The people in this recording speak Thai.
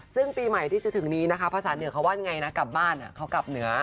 ซึ่งปีใหม่ที่จะถึงนี้นะคะภาษาเหนือเขาว่ายังไงนะกลับบ้านเขากลับเหนือ